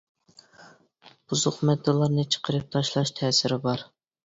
بۇزۇق ماددىلارنى چىقىرىپ تاشلاش تەسىرى بار.